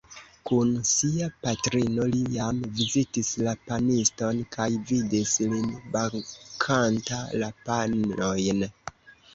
Kun sia patrino li jam vizitis la paniston kaj vidis lin bakanta la panojn.